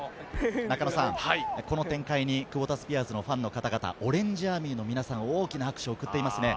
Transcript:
この展開にクボタスピアーズのファンの方々、オレンジアーミーの皆さん、大きな拍手を送っていますね。